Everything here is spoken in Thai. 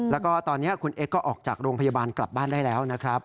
แล้วก็ตอนนี้คุณเอ็กซก็ออกจากโรงพยาบาลกลับบ้านได้แล้วนะครับ